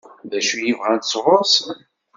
D acu i bɣant sɣur-sen?